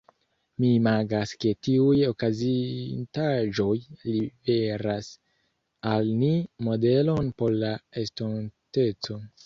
Mi imagas ke tiuj okazintaĵoj liveras al ni modelon por la estonteco.